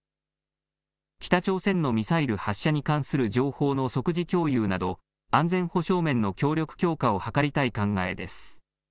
北朝鮮のミサイル発射に関する情報の即時共有など安全保障面の協力強化を図りたい考えです。